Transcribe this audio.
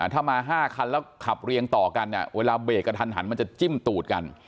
อ่าถ้ามาห้าคันแล้วขับเรียงต่อกันเนี่ยเวลาเบรกกันทันมันจะจิ้มตูดกัน